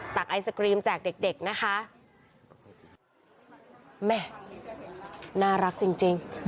ไอศกรีมแจกเด็กเด็กนะคะแม่น่ารักจริงจริง